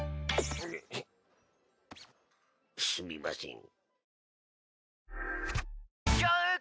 ぐっすみません。